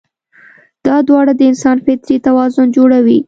دا دواړه د انسان فطري توازن جوړوي.